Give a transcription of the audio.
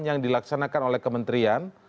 yang dilaksanakan oleh kementerian